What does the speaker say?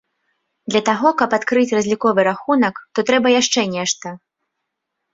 Для таго, каб адкрыць разліковы рахунак, то трэба яшчэ нешта.